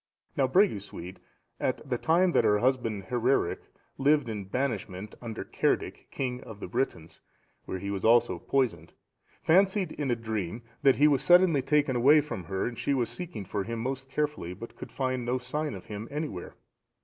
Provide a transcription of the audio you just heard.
Now Bregusuid, at the time that her husband, Hereric, lived in banishment, under Cerdic,(704) king of the Britons, where he was also poisoned, fancied, in a dream, that he was suddenly taken away from her and she was seeking for him most carefully, but could find no sign of him anywhere.